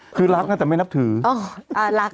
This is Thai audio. คือรักน่ะแต่ไม่นับถึง